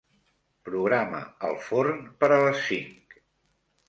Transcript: Programa el forn per a les cinc.